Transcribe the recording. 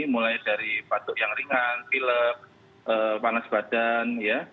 mulai dari patok yang ringan pilek panas badan ya